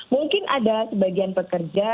mungkin ada sebagian pekerja